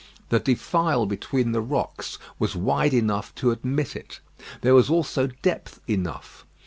The defile between the rocks was wide enough to admit it. There was also depth enough.